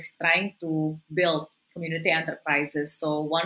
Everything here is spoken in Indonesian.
untuk mencoba membangun perusahaan